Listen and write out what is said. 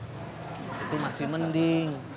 itu masih mending itu masih mending